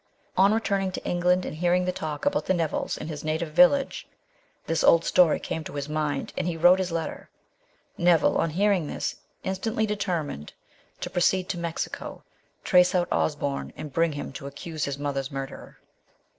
On returning to England, and hear ing the talk about the Nevilles in his native village, this old story came to his mind, and he wrote his letter. Neville, on hearing this, instantly determined to proceed to Mexico, trace out Osborne, and bring him to accuse his mother's murderer.